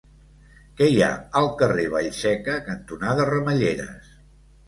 Què hi ha al carrer Vallseca cantonada Ramelleres?